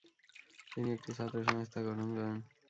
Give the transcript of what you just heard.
তিনি একটি ছাত্র সংস্থা গঠন করেন।